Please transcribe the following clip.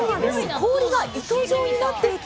氷が糸状になっていて。